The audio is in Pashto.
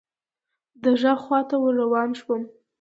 د ږغ خواته ور روان شوم .